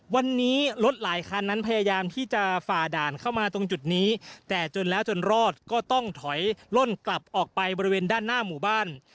วันนี้รถหลายคันนั้นพยายามที่จะฝ่าด่านเข้ามาตรงจุดนี้แต่จนแล้วจนรอดก็ต้องถอยล่นกลับออกไปบริเวณด้านหน้าหมู่บ้าน